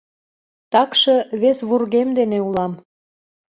Такше вес вургем дене улам.